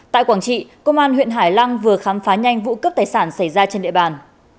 tại quảng trị công an huyện hải lăng vừa khám phá nhanh vụ cướp tài sản xảy ra trên địa bàn